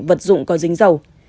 vật dụng có dính dầu